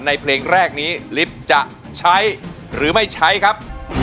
เพลงแรกนี้ลิฟต์จะใช้หรือไม่ใช้ครับ